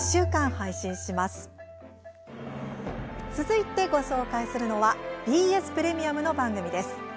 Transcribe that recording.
続いてご紹介するのはＢＳプレミアムの番組です。